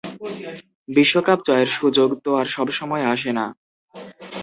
বিশ্বকাপ জয়ের সুযোগ তো আর সব সময় আসে না